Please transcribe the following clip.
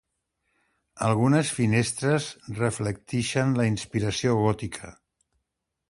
Algunes finestres reflectixen la inspiració gòtica.